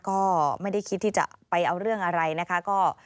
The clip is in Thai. ก็ไม่ได้คิดที่จะไปเอาเรื่องอะไรนะคะ